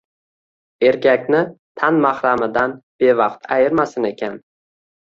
Erkakni tan mahramidan bevaqt ayirmasin ekan